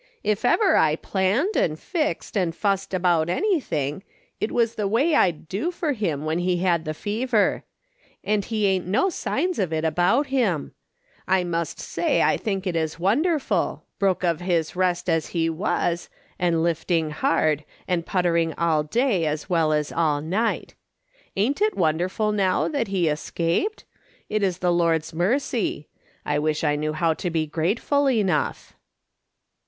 If ever I planned, and fixed, and fussed out anything, it was the way I'd do for him when he had the fever; and he ain't no signs of it about him ! I must say I think it is wonderful, broke of his rest as he was, and lifting hard, and puttering all day as well as all night. Ain't it wonderful now 296 MRS. SOLOMON SMITH Looking off. that he escaped ? It is the Lord's mercy. I wish I knew how to be grateful enough."